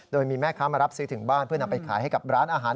โดยมีแม่ค้ามารับซื้อถึงบ้านเพื่อนำไปขายให้กับร้านอาหาร